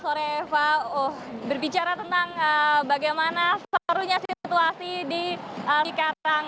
soreva berbicara tentang bagaimana seluruhnya situasi di stadion wibawa mukti cikarang